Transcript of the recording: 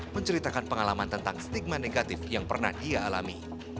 menceritakan pengalaman tentang stigma negatif yang pernah dia alami